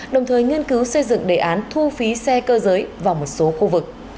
đồng thời nghiên cứu xây dựng đề án thu phí xe cơ giới vào một số khu vực